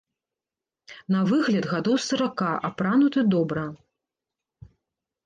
На выгляд гадоў сарака, апрануты добра.